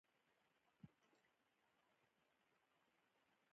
په افغانستان کې د د بولان پټي لپاره طبیعي شرایط مناسب دي.